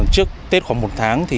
trước tết khoảng một tháng